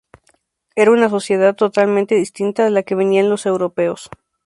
Era una sociedad totalmente distinta de la que venían los europeos.